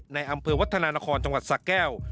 ในอำเภอวัฒนานครจังหวัดสะแก้ว